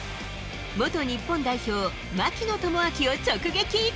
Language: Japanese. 元日本代表、槙野智章を直撃。